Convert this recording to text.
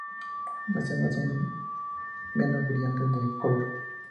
Las hembras son menos brillantes de color.